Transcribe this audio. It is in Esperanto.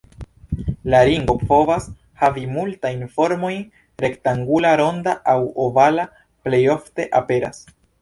La ringo povas havi multajn formojn, rektangula, ronda aŭ ovala plej ofte aperas.